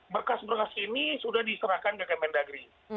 berkas berkas ini sudah diserahkan ke kementerian negeri